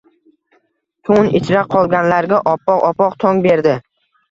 Tun ichra qolganlarga oppoq-oppoq tong berdi